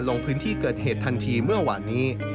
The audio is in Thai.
ลงพื้นที่เกิดเหตุทันทีเมื่อวานนี้